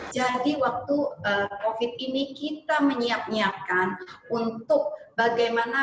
jadi waktu covid ini kita menyiap niapkan untuk bagaimana